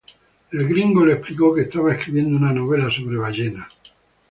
El gringo le explicó que estaba escribiendo una novela sobre ballenas.